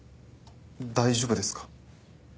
大丈夫ですか？